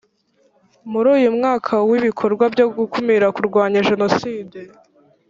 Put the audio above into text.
muri uyu mwaka wa ibikorwa byo gukumira kurwanya jenoside